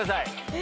え！